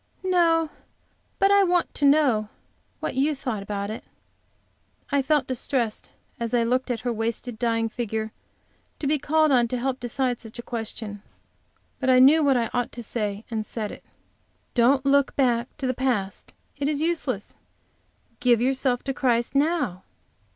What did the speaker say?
"No, but I want to know what you thought about it." I felt distressed, as I looked at her wasted dying figure, to be called on to help decide such a question. But I knew what I ought to say, and said it: "Don't look back to the past; it is useless. Give yourself to Christ now."